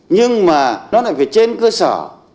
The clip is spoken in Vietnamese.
nhưng mà nó lại phải trên cơ sở